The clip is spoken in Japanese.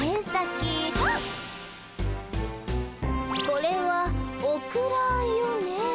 これはオクラよね。